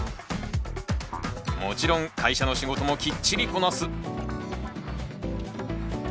もちろん会社の仕事もきっちりこなす。